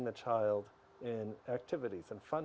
selama dua puluh lima tahun